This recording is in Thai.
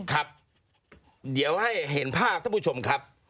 ครับเดี๋ยวให้เห็นภาพท่านผู้ชมครับ